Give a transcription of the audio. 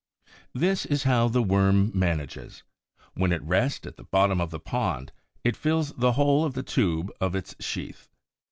This is how the Worm manages. When at rest, at the bottom of the pond, it fills the whole of the tube of its sheath.